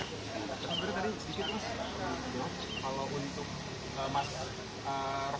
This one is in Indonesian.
coba beritahu sedikit mas